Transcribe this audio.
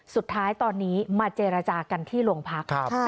สุดท้ายตอนนี้มาเจรจากันที่โรงพัก